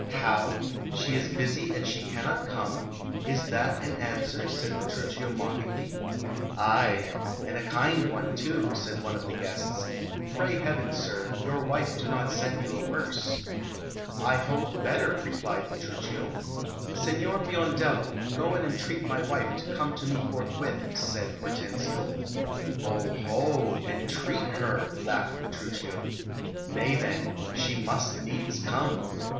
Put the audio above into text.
"How? She is busy and she cannot come! Is that an answer?" said Petruchio mockingly. "Ay, and a kind one too," said one of the guests. "Pray heaven, sir, your wife do not send you a worse." "I hope, better," replied Petruchio. "Signor Biondello, go and entreat my wife to come to me forthwith," said Hortensio. "O, ho! entreat her!" laughed Petruchio. "Nay, then, she must needs come."